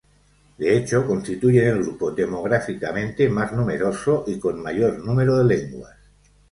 De hecho constituyen el grupo demográficamente más numeroso y con mayor número de lenguas.